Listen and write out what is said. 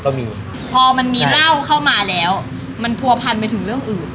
พอมันมีเหล้าเข้ามาแล้วมันผัวพันไปถึงเรื่องอื่น